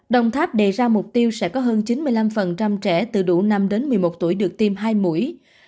đồng tháp đề ra mục tiêu sẽ có hơn chín mươi năm trẻ từ đủ năm đến một mươi một tuổi được tiêm hai mũi